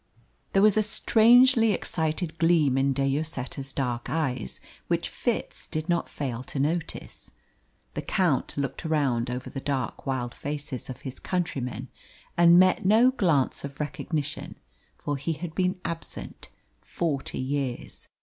There was a strangely excited gleam in De Lloseta's dark eyes which Fitz did not fail to notice. The Count looked around over the dark wild faces of his countrymen and met no glance of recognition, for he had been absent forty years.